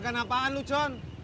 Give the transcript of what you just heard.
makan apaan lu john